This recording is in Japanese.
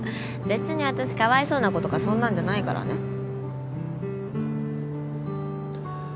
別に私かわいそうな子とかそんなんじゃないからね。